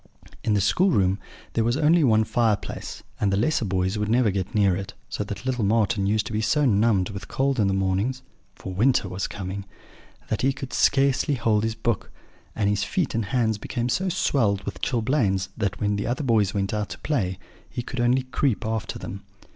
In the schoolroom there was only one fireplace, and the lesser boys could never get near it, so that little Marten used to be so numbed with cold in the mornings (for winter was coming) that he could scarcely hold his book; and his feet and hands became so swelled with chilblains that, when the other boys went out to play, he could only creep after them.